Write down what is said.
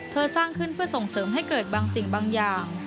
สร้างขึ้นเพื่อส่งเสริมให้เกิดบางสิ่งบางอย่าง